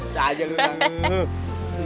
bisa aja lu bang